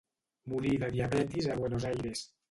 Morí de diabetis a Buenos Aires.